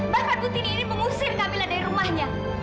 bahkan putini ini mengusir kamila dari rumahnya